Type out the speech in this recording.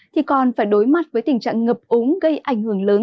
thì còn phải đối mặt với tình trạng ngập úng gây ảnh hưởng lớn